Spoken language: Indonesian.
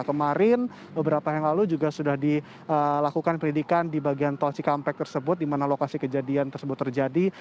kemarin beberapa yang lalu juga sudah dilakukan pendidikan di bagian tol cikampek tersebut di mana lokasi kejadian tersebut terjadi